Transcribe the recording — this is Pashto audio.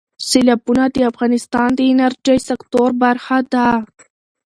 سیلابونه د افغانستان د انرژۍ سکتور برخه ده.